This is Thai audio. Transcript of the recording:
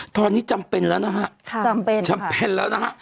ตอนนี้จำเป็นแล้วนะคะจำเป็นแล้วนะคะ